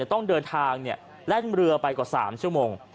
ต้องเดินทางแล่นเรือไปกว่า๓ชั่วโมง